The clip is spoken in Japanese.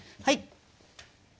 はい。